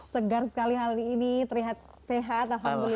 segar sekali hal ini terlihat sehat alhamdulillah